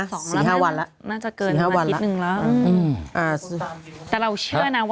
สองแล้วมันน่ะน่าจะเกินอาทิตย์นึงแล้วสี่ห้าวันแล้ว